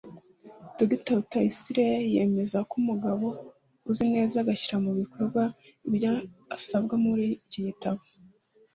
Dr Rutayisire yemeza ko umugabo uzi neza agashyira mu bikorwa ibyo asabwa muri iki gitabo